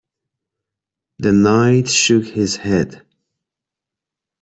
The Knight shook his head.